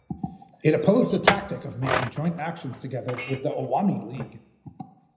It opposed the tactic of making joint actions together with the Awami League.